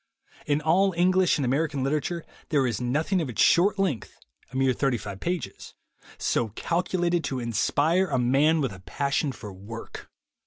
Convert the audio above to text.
In all English and American literature there is nothing of its short length — a mere thirty five pages — so calculated to inspire a man with a passion for work.